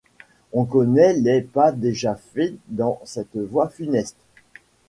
On connaît les pas déjà faits dans cette voie funeste.